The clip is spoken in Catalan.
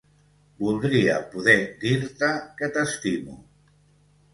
Voldria poder dir-te que t'estimo.